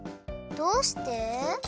どうして？